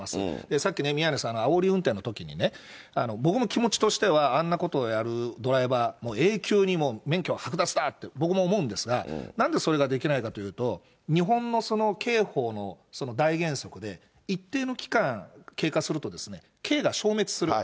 さっきね、宮根さんがあおり運転のときにね、僕も気持ちとしては、あんなことをやるドライバー、永久に免許は剥奪だと僕も思うんですが、なんでそれができないかというと、日本の刑法の大原則で、一定の期間、経過すると刑が消滅すると。